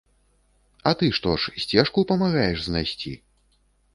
А ты што ж, сцежку памагаеш знайсці?